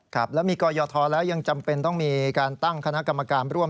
ครับแล้วมีกรยธแล้วยังจำเป็นต้องมีการตั้งคณะกรรมการร่วม